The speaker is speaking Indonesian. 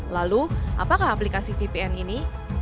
lalu apakah aplikasi vpn ini